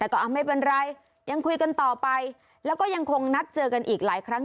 แต่ก็ไม่เป็นไรยังคุยกันต่อไปแล้วก็ยังคงนัดเจอกันอีกหลายครั้ง